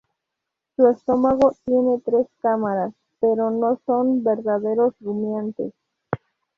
Su estómago tiene tres cámaras, pero no son verdaderos rumiantes.